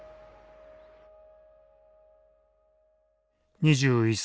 ２１歳。